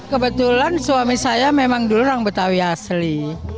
kebetulan suami saya memang dulu orang betawi asli